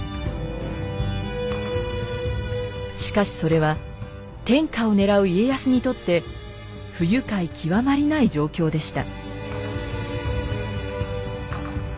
しかしそれは天下を狙う家康にとって不愉快極まりない状況でした。